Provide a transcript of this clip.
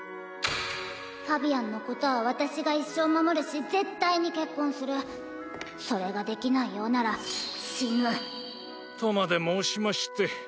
ファビアンのことは私が一生守るし絶対に結婚するそれができないようなら死ぬとまで申しまして。